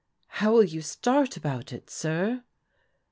" How'll you start about it, sir?